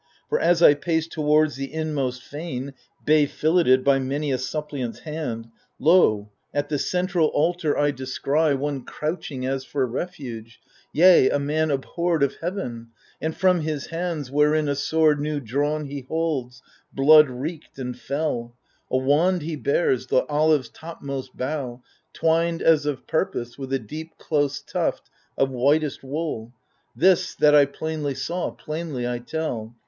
For as I pace towards the inmost fane Bay filleted by many a suppliant's hand, Lo, at the central altar I descry THE FURIES 139 One crouching as for refuge — yea, a man Abhorred of heaven ; and from his hands, wherein A sword new drawn he holds, blood reeked and fell : A wand he bears, the olive's topmost bough, Twined as of purpose with a deep close tuft Of whitest wool This, that I plainly saw. Plainly I tell.